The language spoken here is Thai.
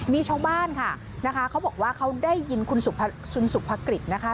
มีชาวบ้านค่ะนะคะเขาบอกว่าเขาได้ยินคุณสุภกฤษนะคะ